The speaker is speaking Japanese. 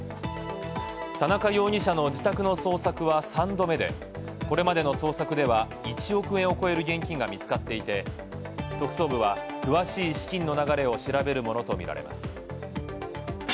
田中容疑者の自宅の捜索は３度目で、これまでの捜索では１億円を超える現金が見つかっていて、特捜部は詳しい資金の流れを調べるものとみられます。